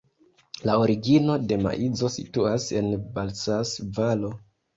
La origino de maizo situas en Balsas-Valo.